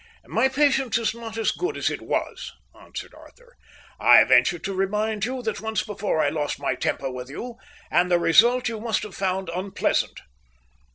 "My patience is not as good as it was," answered Arthur, "I venture to remind you that once before I lost my temper with you, and the result you must have found unpleasant."